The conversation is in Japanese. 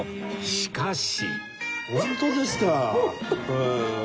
しかし